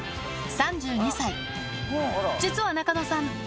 ３２歳実は中野さん